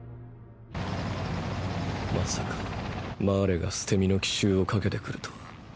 まさかマーレが捨て身の奇襲をかけてくるとは。